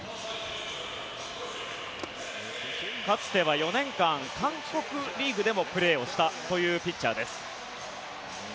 かつては４年間韓国リーグでもプレーしたというピッチャーです。